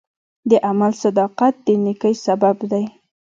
د عمل صداقت د نیکۍ سبب دی.